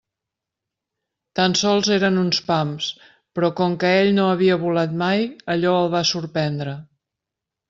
Tan sols eren uns pams, però com que ell no havia volat mai, allò el va sorprendre.